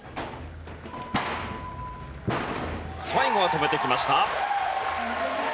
最後は止めてきました。